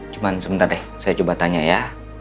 cuma sebentar deh saya coba tanya ya